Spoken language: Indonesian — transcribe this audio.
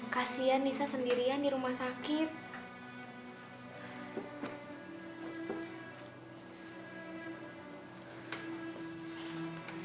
kasian nisa sendirian di rumah sakit